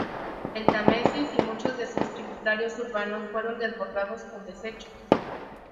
El Támesis y muchos de sus tributarios urbanos fueron desbordados con desechos.